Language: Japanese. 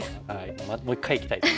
もう一回行きたいです。